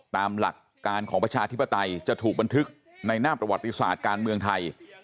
ตามหลักการของประชาธิปไตยจะถูกบันทึกในหน้าประวัติศาสตร์การเมืองไทย